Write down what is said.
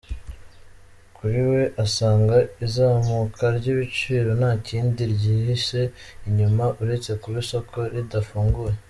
Kuri we asanga izamuka ry’ibiciro nta kindi kiryihishe inyuma uretse kuba isoko ridafunguye.